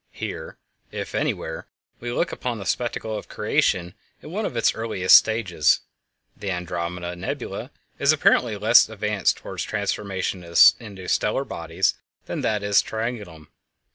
Here, if anywhere, we look upon the spectacle of creation in one of its earliest stages. The Andromeda Nebula is apparently less advanced toward transformation into stellar bodies than is that in Triangulum.